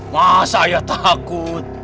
masa ayah takut